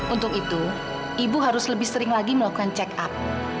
untuk itu ibu harus lebih sering lagi melakukan check up